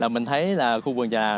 mình thấy là khu vườn trà lạ